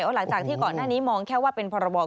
และอาจจะมีบางรายเข้าขายช่อกงประชาชนเพิ่มเติมมาด้วย